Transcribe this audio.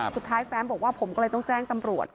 สุดท้ายแฟมบอกว่าผมก็เลยต้องแจ้งตำรวจ